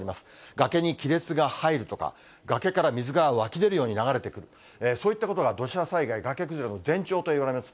がけに亀裂が入るとか、崖から水が湧き出るように流れてくる、そういったことが土砂災害、崖崩れの前兆といわれます。